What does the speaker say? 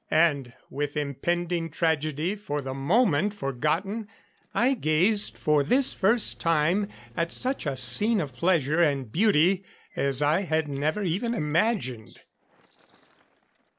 And with impending tragedy for the moment forgotten I gazed for this first time at such a scene of pleasure and beauty as I had never even imagined.